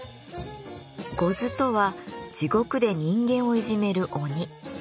牛頭とは地獄で人間をいじめる鬼。